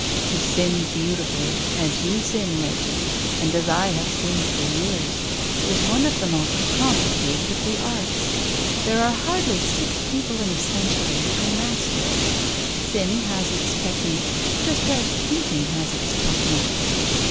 To sin beautifully, as you sin, Reggie, and as I have sinned for years, is one of the most complicated of the arts. There are hardly six people in a century who can master it. Sin has its technique, just as painting has its technique.